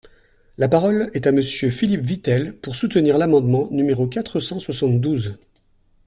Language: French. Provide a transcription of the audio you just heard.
La parole est à Monsieur Philippe Vitel, pour soutenir l’amendement numéro quatre cent soixante-douze.